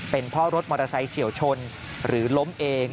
เป็นเพราะรถมอเตอร์ไซค์เฉียวชนหรือล้มเอง